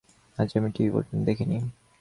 আজ আমি টিভি পর্যন্ত দেখি নি।